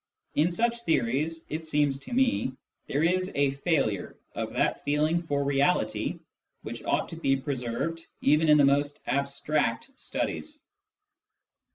In such theories, it seems to me, there is a failure of that feeling for reality which ought to be preserved even in the most abstract studies.